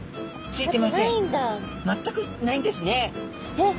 えっ？